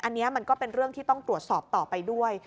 อันนี้มันก็เป็นเรื่องที่ต้องตรวจสอบต่อไปด้วย